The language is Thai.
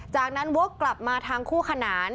จากนั้นวกกลับมาทางคู่ขนาน